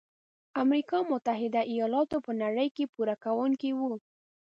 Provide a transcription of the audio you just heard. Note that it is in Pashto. امریکا متحد ایلاتو په نړۍ کې پوره کوونکي وو.